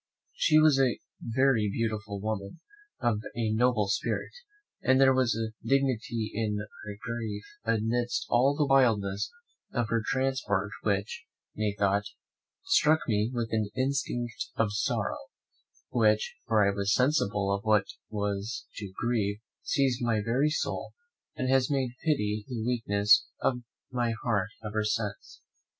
She was a very beautiful woman, of a noble spirit, and there was a dignity in her grief amidst all the wildness of her transport which, methought, struck me with an instinct of sorrow, which, before I was sensible of what it was to grieve, seized my very soul, and has made pity the weakness of my heart ever since.